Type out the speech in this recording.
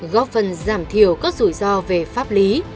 góp phần giảm thiểu các rủi ro về pháp lý